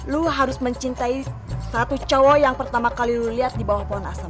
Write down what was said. lu harus mencintai satu cowok yang pertama kali lu lihat di bawah pohon asam